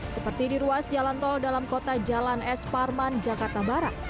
seperti di ruas jalan tol dalam kota jalan es parman jakarta barat